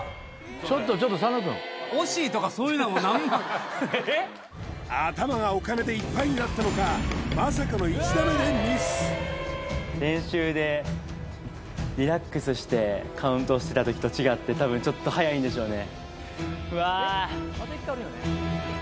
ちょっとちょっと佐野くん惜しいとかそういうの何も頭がお金でいっぱいになったのかまさかの１打目でミス練習でリラックスしてカウントをしてた時と違って多分ちょっと早いんでしょうね